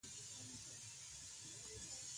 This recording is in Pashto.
دا باغ د ارمان کاکا د ټول ژوند د خواریو مېوه ده.